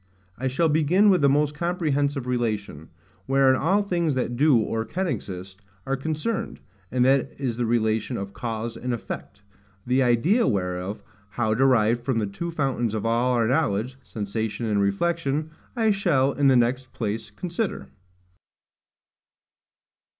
I shall begin with the most comprehensive relation, wherein all things that do, or can exist, are concerned, and that is the relation of CAUSE and EFFECT: the idea whereof, how derived from the two fountains of all our knowledge, sensation and reflection, I shall in the next place consider.